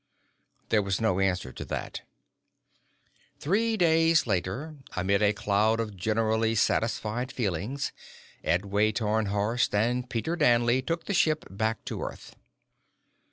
There was no answer to that. Three days later, amid a cloud of generally satisfied feelings, Edway Tarnhorst and Peter Danley took the ship back to Earth.